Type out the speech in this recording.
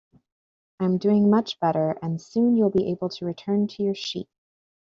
I'm doing much better, and soon you'll be able to return to your sheep.